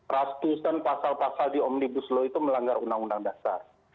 ratusan pasal pasal di omnibus law itu melanggar undang undang dasar